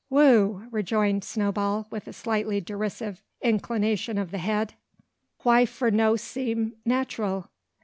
"Whoo!" rejoined Snowball, with a slightly derisive inclination of the head; "why for no seem nat'ral?